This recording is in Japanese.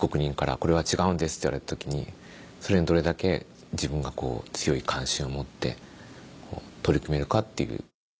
「これは違うんです」って言われた時にそれにどれだけ自分が強い関心を持って取り組めるかっていう。